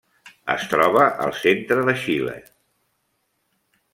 Es troba al centre de Xile.